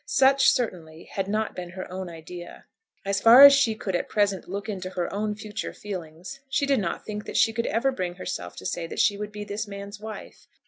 Such certainly had not been her own idea. As far as she could at present look into her own future feelings, she did not think that she could ever bring herself to say that she would be this man's wife.